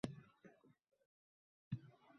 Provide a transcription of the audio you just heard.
Dadajon, meni olib keting, o`tinaman